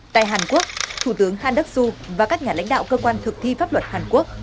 tại hàn quốc thủ tướng han đức xu và các nhà lãnh đạo cơ quan thực thi pháp luật hàn quốc